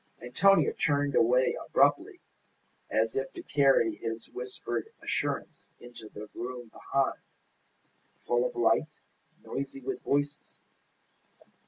Antonia turned away abruptly, as if to carry his whispered assurance into the room behind, full of light, noisy with voices.